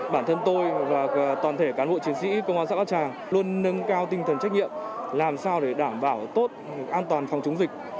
bản thân tôi và toàn thể cán bộ chiến sĩ công an xã bát tràng luôn nâng cao tinh thần trách nhiệm làm sao để đảm bảo tốt an toàn phòng chống dịch